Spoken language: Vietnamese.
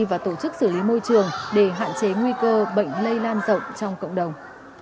và tổ chức xử lý môi trường để hạn chế nguy cơ bệnh lây lan rộng trong cộng đồng